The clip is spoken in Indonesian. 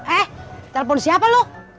eh telepon siapa lu